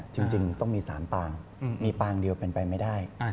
จริงต้องมี๓ปางมีปางเดียวเป็นไปไม่ได้